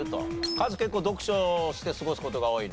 カズ結構読書して過ごす事が多いの？